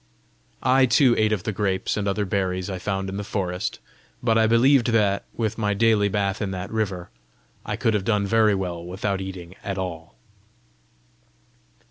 I too ate of the grapes and other berries I found in the forest; but I believed that, with my daily bath in that river, I could have done very well without eating at all.